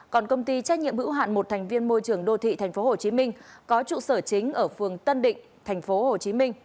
còn công ty trách nhiệm hữu hạn một thành viên môi trường đô thị tp hcm có trụ sở chính ở phường tân định tp hcm